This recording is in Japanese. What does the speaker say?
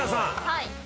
はい。